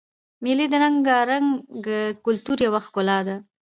مېلې د رنګارنګ کلتور یوه ښکلا ده.